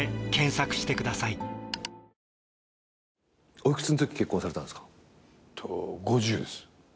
お幾つのとき結婚されたんですか？